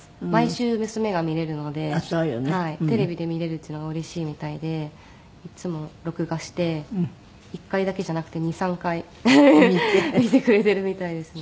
テレビで見れるっていうのがうれしいみたいでいっつも録画して１回だけじゃなくて２３回見てくれてるみたいですね。